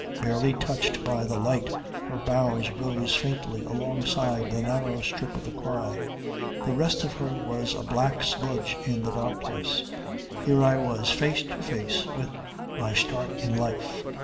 Barely touched by the light her bows rose faintly alongside the narrow strip of the quay; the rest of her was a black smudge in the darkness. Here I was face to face with my start in life.